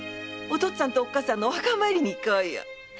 お父っつぁんとおっかさんのお墓参りに行こうよ。